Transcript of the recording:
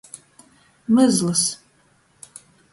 Muzlys.